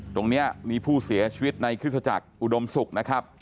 ตรงนี้มีผู้เสียชีวิตในคริสตจักรอุดมศุกร์นะครับ